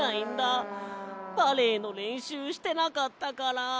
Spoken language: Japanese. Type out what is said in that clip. バレエのれんしゅうしてなかったから。